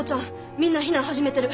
みんな避難始めてる。